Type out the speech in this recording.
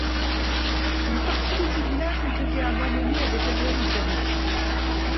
Une partie de ces villages ont été abandonnés à des périodes antérieures.